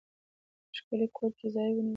په ښکلي کور کې ځای ونیوی.